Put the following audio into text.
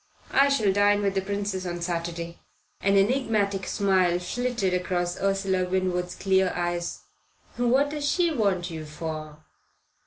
I shall dine with the Princess on Saturday." An enigmatic smile flitted across Ursula Winwood's clear eyes. "What does she want you for?"